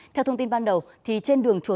theo thông tin ban đầu trên đường truyền thông